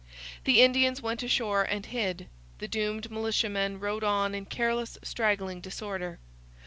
The Indians went ashore and hid. The doomed militiamen rowed on in careless, straggling disorder.